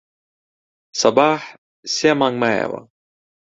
سەباح سێ مانگ مایەوە.